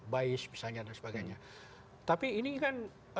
bais misalnya dan sebagainya tapi ini kan